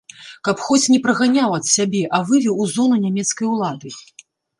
Каб хоць не праганяў ад сябе, а вывеў у зону нямецкай улады.